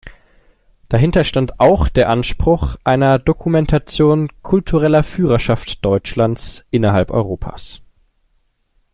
Dahinter stand auch der Anspruch einer Dokumentation kultureller Führerschaft Deutschlands innerhalb Europas.